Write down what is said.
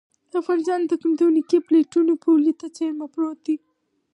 افغانستان تکتونیکي پلیټو پولې ته څېرمه پروت دی